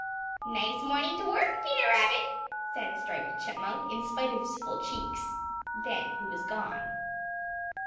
"Nice morning to work, Peter Rabbit," said Striped Chipmunk, in spite of his full cheeks. Then he was gone.